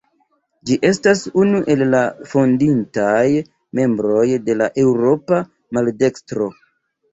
Ĝi estas unu el la fondintaj membroj de la Eŭropa Maldekstro.